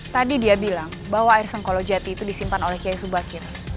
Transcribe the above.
tadi dia bilang bahwa air sengkolo jati itu disimpan oleh kiai subakin